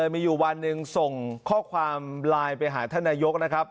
มีอยู่วันหนึ่งส่งข้อความไลน์ไปหาท่านนายกนะครับ